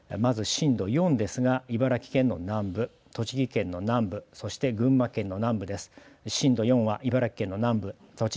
まず震度４ですが茨城県の南部、栃木県の南部そして群馬県の南部です。